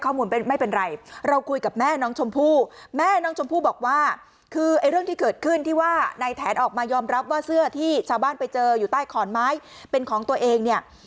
คือไอ้เรื่องที่เกิดขึ้นที่ว่านายแถนออกมายอมรับว่าเสื้อที่ชาวบ้านไปเจออยู่ใต้ขอนไม้เป็นของตัวเองเนี่ย